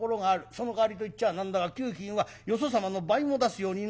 そのかわりと言っちゃあなんだが給金はよそ様の倍も出すようになってる。